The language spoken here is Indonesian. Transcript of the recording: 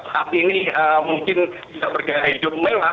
saat ini mungkin tidak bergaya hidup mewah